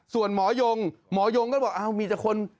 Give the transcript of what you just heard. ส่วนหมอยงหมอยงก็บอกอ้าวมีแต่คน